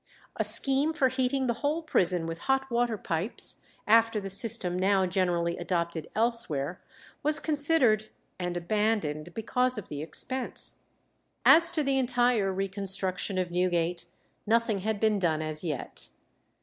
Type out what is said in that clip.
A scheme for heating the whole prison with hot water pipes, after the system now generally adopted elsewhere, was considered, and abandoned because of the expense. As to the entire reconstruction of Newgate, nothing had been done as yet.